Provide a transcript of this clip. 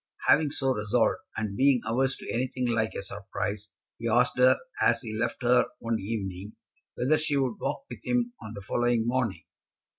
Having so resolved, and being averse to anything like a surprise, he asked her, as he left her one evening, whether she would walk with him on the following morning.